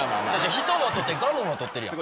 人も取ってガムも取ってるやん。